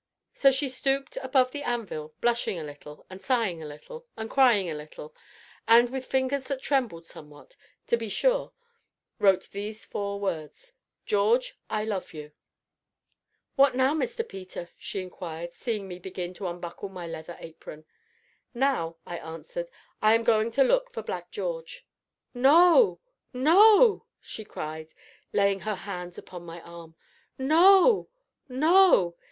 So she stooped above the anvil, blushing a little, and sighing a little, and crying a little, and, with fingers that trembled somewhat, to be sure, wrote these four words: "George, I love you." "What now, Mr. Peter?" she inquired, seeing me begin to unbuckle my leather apron. "Now," I answered, "I am going to look for Black George." "No! no!" she cried, laying her hands upon my arm, "no! no!